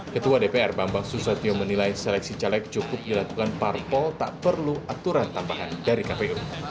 ketua dpr bambang susatyo menilai seleksi caleg cukup dilakukan parpol tak perlu aturan tambahan dari kpu